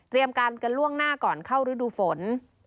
เตรียมการกันล่วงหน้าก่อนเข้ารฤดูฝน